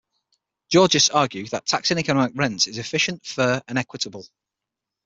Georgists argue that taxing economic rent is efficient, fair, and equitable.